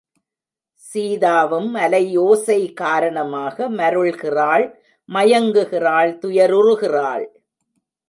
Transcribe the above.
சீதாவும் அலை ஓசை காரணமாக மருள்கிறாள் மயங்குகிறாள் துயருறுகிறாள்.